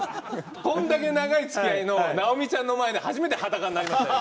こんだけ長いつきあいの尚美ちゃんの前で初めて裸になりましたよ。